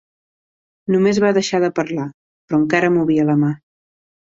Només va deixar de parlar, però encara movia la mà.